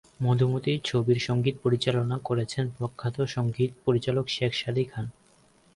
মধুমতি ছবির সংগীত পরিচালনা করেছেন প্রখ্যাত সংগীত পরিচালক শেখ সাদী খান।